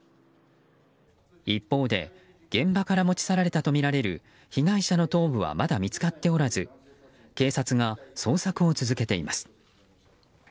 一方で、現場から持ち去られたとみられる被害者の頭部はまだ見つかっておらず警察が捜索を続けています。